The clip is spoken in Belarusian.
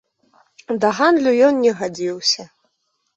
Да гандлю ён не гадзіўся.